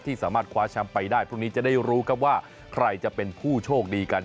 สามารถคว้าแชมป์ไปได้พรุ่งนี้จะได้รู้ครับว่าใครจะเป็นผู้โชคดีกัน